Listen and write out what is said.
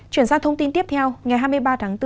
chuyển sang thông tin tiếp theo ngày hai mươi ba tháng bốn